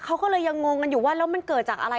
เขาก็เลยยังงงกันอยู่ว่าแล้วมันเกิดจากอะไร